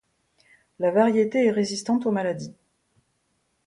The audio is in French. La variété est résistante aux maladies.